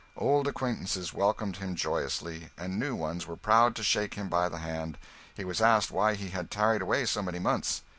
Old acquaintances welcomed him joyously, and new ones were proud to shake him by the hand. He was asked why he had 'tarried away so many months.